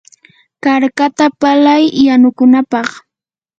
karkata palay yanukunapaq.